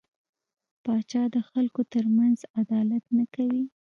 پاچا د خلکو ترمنځ عدالت نه کوي .